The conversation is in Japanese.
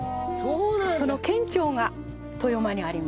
その県庁が登米にあります。